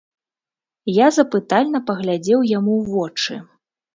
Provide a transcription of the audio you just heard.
Я запытальна паглядзеў яму ў вочы.